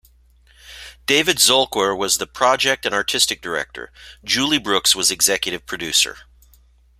David Zolkwer was the Project and Artistic Director, Julie Brooks was Executive Producer.